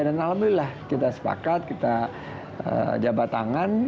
dan alhamdulillah kita sepakat kita jabat tangan